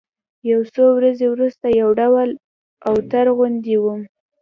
يو څو ورځې وروسته يو ډول اوتر غوندې وم.